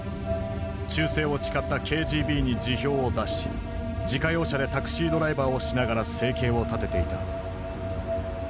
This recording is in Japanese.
忠誠を誓ったＫＧＢに辞表を出し自家用車でタクシードライバーをしながら生計を立てていた。